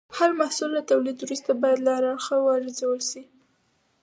هر محصول له تولید وروسته باید له هر اړخه وارزول شي.